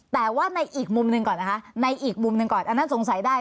แต่ว่าในอีกมุมหนึ่งก่อนนะคะในอีกมุมหนึ่งก่อนอันนั้นสงสัยได้